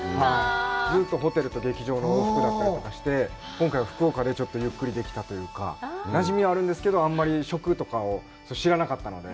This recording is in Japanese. ずっとホテルと劇場の往復だったりして、今回は福岡で、ちょっとゆっくりできたというか、なじみはあるんですけど、あんまり食とかを知らなかったので。